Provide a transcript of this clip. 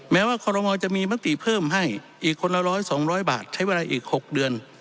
แม้ว่าคอรมอลจะมีมติเพิ่มให้อีกคนละ๑๐๐๒๐๐บาทใช้เวลาอีก๖เดือน